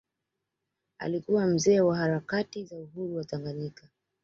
Alikuwa mzee wa harakati za uhuru wa Tanganyika